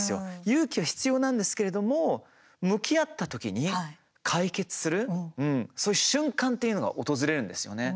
勇気は必要なんですけれども向き合った時に解決するそういう瞬間っていうのが訪れるんですよね。